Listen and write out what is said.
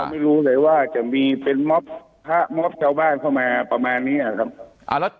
ไม่รู้เลยว่าจะมีเป็นมอบพระมอบชาวบ้านเข้ามาประมาณนี้นะครับ